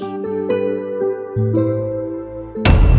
kenapa sampai siang